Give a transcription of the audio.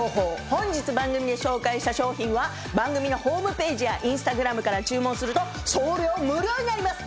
本日番組で紹介した商品は番組のホームページやインスタグラムから注文すると送料無料になります。